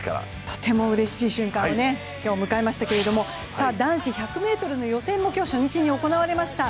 とてもうれしい瞬間を今日迎えましたけれども、男子１００ｍの予選も今日、初日に行われました。